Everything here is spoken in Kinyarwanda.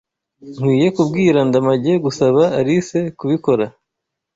Nkwiye kubwira Ndamage gusaba Alice kubikora?